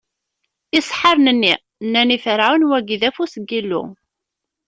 Iseḥḥaren-nni? Nnan i Ferɛun: Wagi, d afus n Yillu!